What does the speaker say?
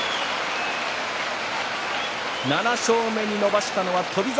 ７勝目に伸ばしたのは翔猿。